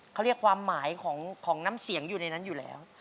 เขาเรียกความหมายของน้ำเสียงอยู่ในนั้นอยู่แล้ว